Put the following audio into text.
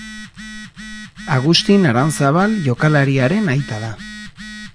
Agustin Aranzabal jokalariaren aita da.